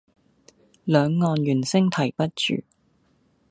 兩岸猿聲啼不住